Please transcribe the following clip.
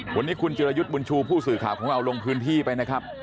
วันนี้คุณจิรยุทธ์บุญชูผู้สื่อข่าวของเราลงพื้นที่ไปนะครับ